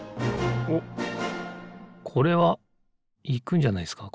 おっこれはいくんじゃないですか